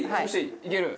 いける？